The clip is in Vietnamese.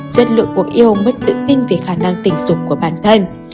chất lượng cuộc yêu mất tự tin về khả năng tình dục của bản thân